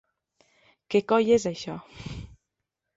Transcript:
Què coi és això?